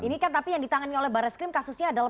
ini kan tapi yang ditangani oleh barreskrim kasusnya adalah